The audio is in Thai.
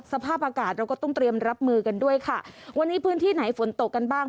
สภาพอากาศเราก็ต้องเตรียมรับมือกันด้วยค่ะวันนี้พื้นที่ไหนฝนตกกันบ้าง